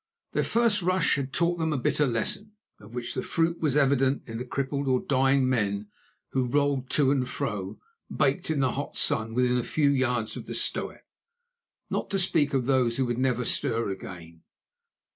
Their first rush had taught them a bitter lesson, of which the fruit was evident in the crippled or dying men who rolled to and fro baked in the hot sun within a few yards of the stoep, not to speak of those who would never stir again.